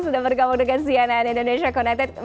sudah bergabung dengan cnn indonesia connected